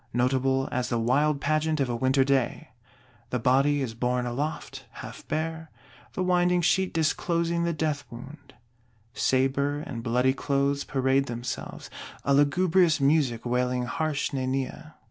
Notable as the wild pageant of a winter day. The Body is borne aloft, half bare; the winding sheet disclosing the death wound; sabre and bloody clothes parade themselves; a "lugubrious music" wailing harsh næniæ.